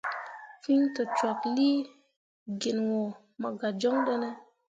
Fîi tokcwaklii gin wo mo gah joŋ ɗene ?